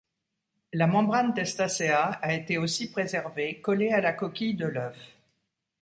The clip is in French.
La membrane testacea a été aussi préservée, collée à la coquille de l'œuf.